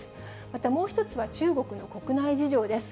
またもう１つは、中国の国内事情です。